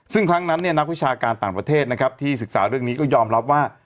ซึ่งครั้งนั้นนักวิชาการต่างประเทศนะครับที่ศึกษาเรื่องนี้ก็ยอมรับว่า